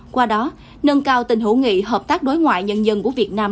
qua đó nâng cao tình hữu nghị hợp tác đối ngoại nhân dân của việt nam